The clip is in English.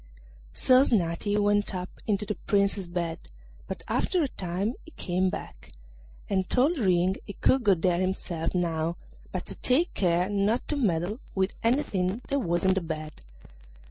So Snati went up into the Prince's bed, but after a time he came back, and told Ring he could go there himself now, but to take care not to meddle with anything that was in the bed.